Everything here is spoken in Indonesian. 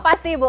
oh pasti bu